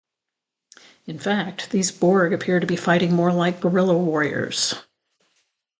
In fact, these Borg appear to be fighting more like guerrilla warriors.